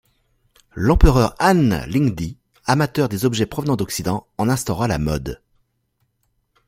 L'empereur Han Lingdi, amateur des objets provenant d'occident, en instaura la mode.